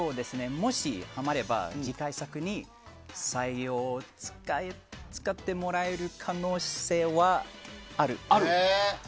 もし、はまれば次回作に使ってもらえる可能性はある。